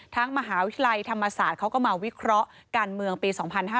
มหาวิทยาลัยธรรมศาสตร์เขาก็มาวิเคราะห์การเมืองปี๒๕๕๙